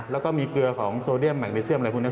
แล้วก็มีเกลือของโซเดียมแมคลิเซียมอะไรพวกนี้